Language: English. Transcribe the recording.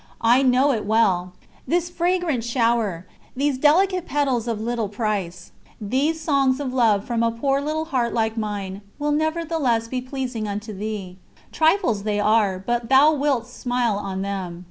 I know it well: this fragrant shower, these delicate petals of little price, these songs of love from a poor little heart like mine, will nevertheless be pleasing unto Thee. Trifles they are, but Thou wilt smile on them.